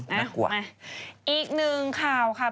น่ากลัวอีกหนึ่งข่าวค่ะ